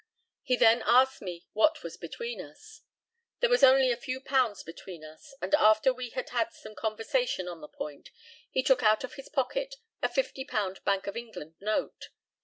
He then asked me what was between us. There was only a few pounds between us, and after we had had some conversation on the point he took out of his pocket a £50 Bank of England note.